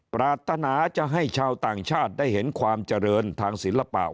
ปราธนาจะให้ชาวต่างชาติได้เห็นความสุขของพระราชประสงค์